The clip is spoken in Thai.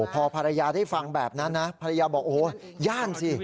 พอภรรยาได้ฟังแบบนั้นนะภรรยาบอกโอ้โหย่านสิ